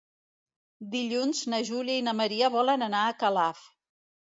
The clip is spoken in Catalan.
Dilluns na Júlia i na Maria volen anar a Calaf.